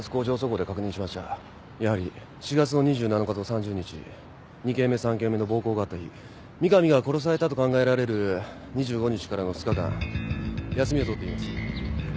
やはり４月の２７日と３０日２件目３件目の暴行があった日三上が殺されたと考えられる２５日からの２日間休みを取っています。